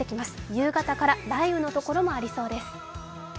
夕方から雷雨の所もありそうです。